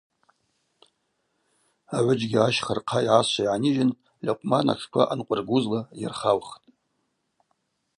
Агӏвыджьгьи ащха рхъа йгӏасшва йгӏанижьын Льакъвман атшква ъанкъвыргузла йырхаухтӏ.